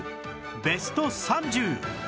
ベスト ３０！